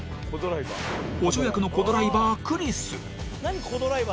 補助役のコ・ドライバークリス。